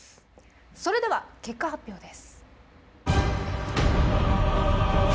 それでは結果発表です。